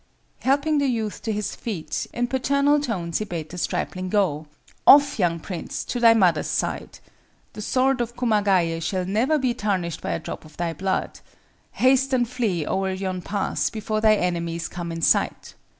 Helping the youth to his feet, in paternal tones he bade the stripling go: "Off, young prince, to thy mother's side! The sword of Kumagaye shall never be tarnished by a drop of thy blood. Haste and flee o'er yon pass before thy enemies come in sight!"